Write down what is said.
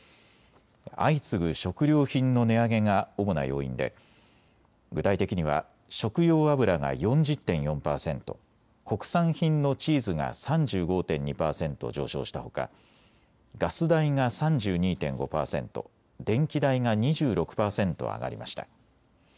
相次ぐ食料品の値上げが主な要因で具体的には食用油が４０．４％、国産品のチーズが３５．２％上昇したほかガス代が３２．５％、電気代が２６％上がりました。